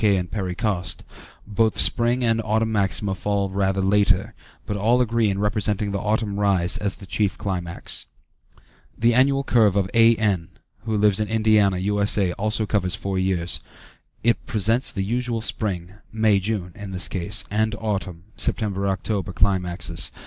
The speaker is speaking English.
K. and Perry Coste), both spring and autumn maxima fall rather later, but all agree in representing the autumn rise as the chief climax. The annual curve of A.N. (ante p. 117), who lives in Indiana, U.S.A., also covers four years. It presents the usual spring (May June, in this case) and autumn (September October) climaxes.